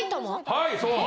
はいそう！